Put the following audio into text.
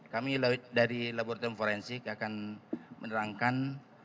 kami dari laboratorium forensik akan menerangkan